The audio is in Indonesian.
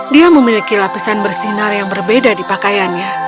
dia memiliki lapisan bersinar yang berbeda di pakaiannya